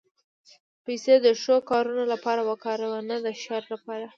پېسې د ښو کارونو لپاره وکاروه، نه د شر لپاره.